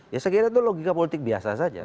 ya saya kira itu logika politik biasa saja